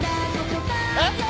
えっ？